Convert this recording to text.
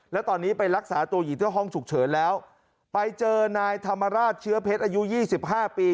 แล้วตอนนี้ไปรักษาตัวอยู่ที่ห้องฉุกเฉินแล้วไปเจอนายธรรมราชเชื้อเพชรอายุ๒๕ปี